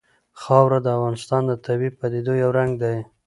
خاوره د افغانستان د طبیعي پدیدو یو رنګ دی.